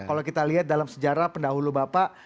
kalau kita lihat dalam sejarah pendahulu bapak